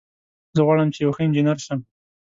زه غواړم چې یو ښه انجینر شم